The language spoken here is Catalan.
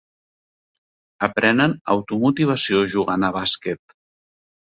Aprenen automotivació jugant a bàsquet.